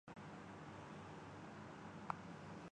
مستقل کیمپ لگا لیا تھا